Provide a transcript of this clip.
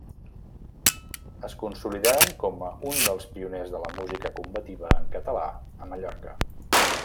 Es consolidaren com un dels pioners de la música combativa en català a Mallorca.